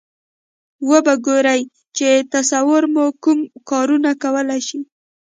و به ګورئ چې تصور مو کوم کارونه کولای شي.